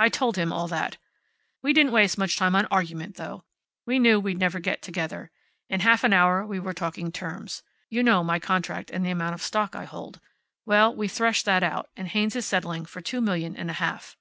I told him all that. We didn't waste much time on argument, though. We knew we'd never get together. In half an hour we were talking terms. You know my contract and the amount of stock I hold. Well, we threshed that out, and Haynes is settling for two million and a half."